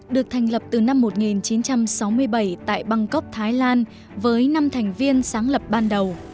được thành lập từ năm một nghìn chín trăm sáu mươi bảy tại bangkok thái lan với năm thành viên sáng lập ban đầu